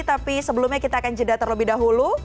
tapi sebelumnya kita akan jeda terlebih dahulu